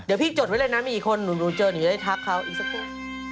เดี๋ยวพี่จดไว้เลยนะมีอีกคนหนูเจอหนูได้ทักเขาอีกสักคน